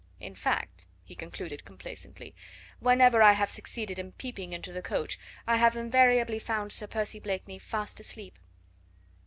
In fact," he concluded complacently, "whenever I have succeeded in peeping into the coach I have invariably found Sir Percy Blakeney fast asleep."